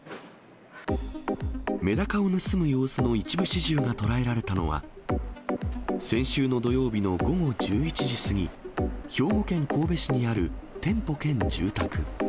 メダカを盗む様子の一部始終が捉えられたのは、先週の土曜日の午後１１時過ぎ、兵庫県神戸市にある店舗兼住宅。